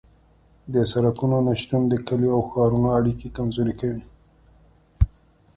د سرکونو نشتون د کلیو او ښارونو اړیکې کمزورې کوي